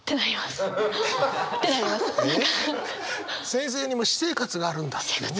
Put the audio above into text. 先生にも私生活があるんだっていうね？